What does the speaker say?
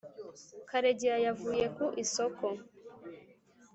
karegeya yavuye ku isoko